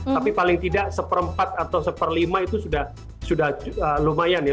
tapi paling tidak seperempat atau seperlima itu sudah lumayan ya